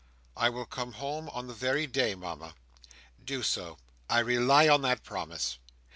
"I will come home on the very day, Mama" "Do so. I rely on that promise.